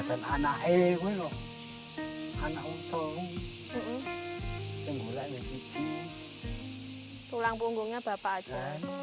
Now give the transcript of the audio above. tulang punggungnya bapak aja